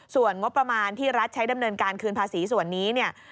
ส่วนงบประมาณที่รัฐใช้ดำเนินการคืนภาษีส่วนนี้เนี่ย